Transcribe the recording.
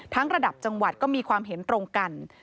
ระดับจังหวัดก็มีความเห็นตรงกัน